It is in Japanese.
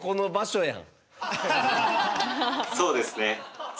そうですね。